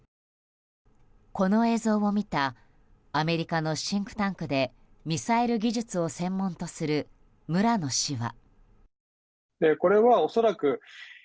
この映像を見たアメリカのシンクタンクでミサイル技術を専門とする村野氏は。